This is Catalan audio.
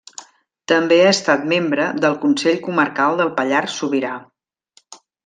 També ha estat membre del Consell Comarcal del Pallars Sobirà.